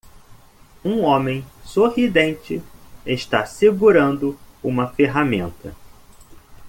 Um homem sorridente está segurando uma ferramenta.